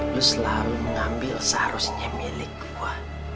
lu selalu mengambil seharusnya milik gua